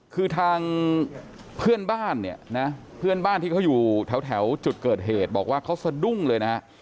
คือทางเพื่อนบ้านเนี่ยนะเพื่อนบ้านที่เขาอยู่แถวจุดเกิดเหตุบอกว่าเขาสะดุ้งเลยนะฮะ